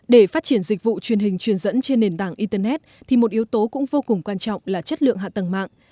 để phát triển dịch vụ truyền hình truyền dẫn trên nền tảng internet thì một yếu tố cũng vô cùng quan trọng là chất lượng hạ tầng mạng